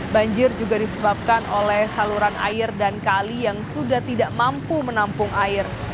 banjir juga disebabkan oleh saluran air dan kali yang sudah tidak mampu menampung air